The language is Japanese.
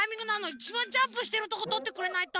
いちばんジャンプしてるとことってくれないと！